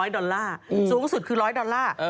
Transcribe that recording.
ดอลลาร์สูงสุดคือ๑๐๐ดอลลาร์